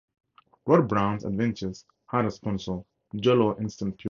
Rod Brown's adventures had a sponsor, Jell-O Instant Pudding.